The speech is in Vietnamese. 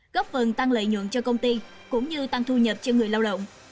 góp phần tăng lợi nhuận cho công ty cũng như tăng thu nhập cho người lao động